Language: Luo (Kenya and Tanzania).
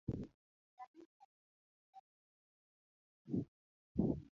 Kanisa nigi ting' mar chiko kaka ipidho yien